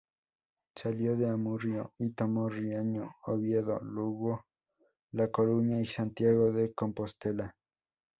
Salió de Amurrio y tomó Riaño, Oviedo, Lugo, La Coruña y Santiago de Compostela.